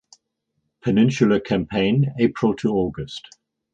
Peninsula Campaign April to August.